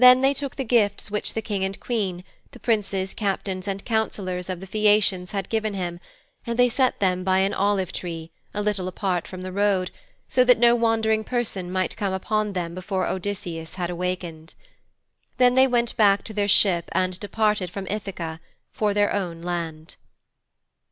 Then they took the gifts which the King and Queen, the Princes, Captains and Councillors of the Phæacians had given him, and they set them by an olive tree, a little apart from the road, so that no wandering person might come upon them before Odysseus had awakened. Then they went back to their ship and departed from Ithaka for their own land.